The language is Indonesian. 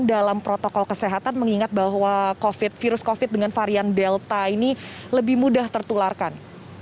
dalam protokol kesehatan mengingat bahwa virus covid dengan varian delta ini lebih mudah tertularkan